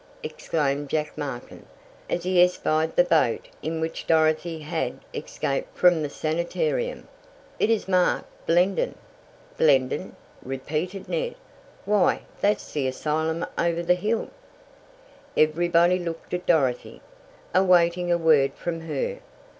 exclaimed Jack Markin, as he espied the boat in which Dorothy had escaped from the sanatarium. "It is marked 'Blenden!'" "Blenden!" repeated Ned. "Why that's the asylum over the hill!" Everybody looked at Dorothy, awaiting a word from her.